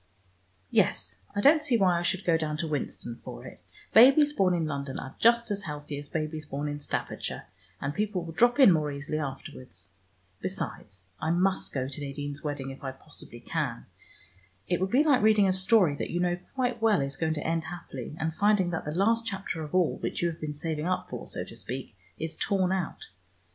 Yes, I don't see why I should go down to Winston for it. Babies born in London are just as healthy as babies born in Staffordshire, and people will drop in more easily afterwards. Besides I must go to Nadine's wedding if I possibly can. It would be like reading a story that you know quite well is going to end happily, and finding that the last chapter of all, which you have been saving up for, so to speak, is torn out.